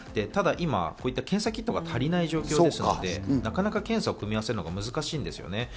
ただ、今、検査キットが足りない状況なので、なかなか検査を組み合わせるのが難しいんですね。